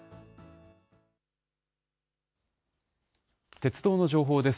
鉄道の情報です。